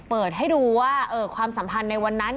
เปิดให้ดูว่าความสัมพันธ์ในวันนั้น